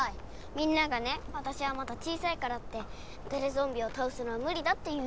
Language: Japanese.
みんながねわたしはまだ小さいからってテレゾンビをたおすのはむりだって言うの。